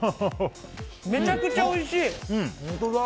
めちゃくちゃおいしい！